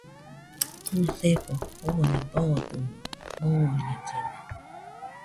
Jusefona jone boodɨno, dooñellena.